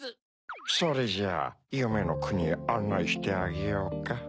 それじゃゆめのくにへあんないしてあげようか。